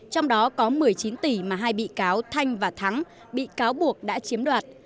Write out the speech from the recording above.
trong đó có một mươi chín tỷ mà hai bị cáo thanh và thắng bị cáo buộc đã chiếm đoạt